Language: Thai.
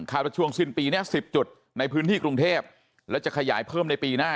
ว่าช่วงสิ้นปีนี้๑๐จุดในพื้นที่กรุงเทพแล้วจะขยายเพิ่มในปีหน้า